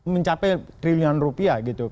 mencapai triliun rupiah gitu